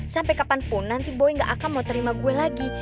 sampai kapanpun nanti boy gak akan mau terima gue lagi